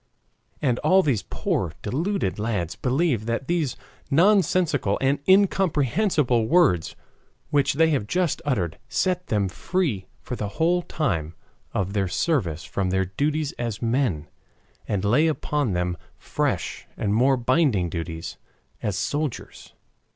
And all these poor deluded lads believe that these nonsensical and incomprehensible words which they have just uttered set them free for the whole time of their service from their duties as men, and lay upon them fresh and more binding duties as soldiers.